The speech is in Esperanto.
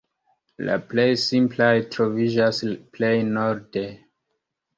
La plej simplaj troviĝas plej norde.